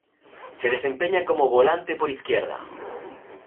Se desempeña como Volante por izquierda.